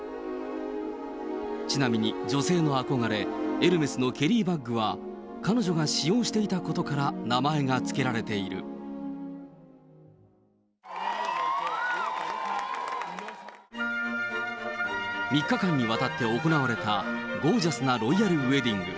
ちなみに女性の憧れ、エルメスのケリーバッグは、彼女が使用していたことから、名前が３日間にわたって行われた、ゴージャスなロイヤルウエディング。